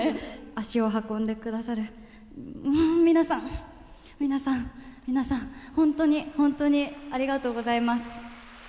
足を運んでくださる皆さん、皆さん、皆さん、本当に、本当にありがとうございます。